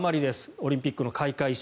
オリンピックの開会式。